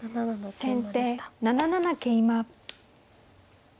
先手７七桂馬。